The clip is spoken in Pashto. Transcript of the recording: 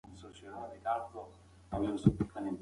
غوښه د شپې په وخت کې د بدن لپاره درنه وي.